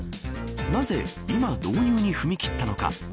なぜ今、導入に踏み切ったのか。